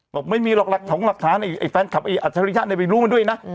บอกไม่มีหรอกหลักถงหลักฐานไอ้แฟนคลับไอ้อัจฉริยะไปรู้มันด้วยนะ